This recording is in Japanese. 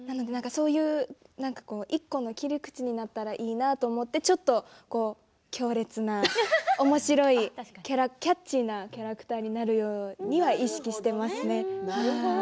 そういう１個の切り口になったらいいなと思って強烈な、おもしろいキャッチーなキャラクターになるように意識しています。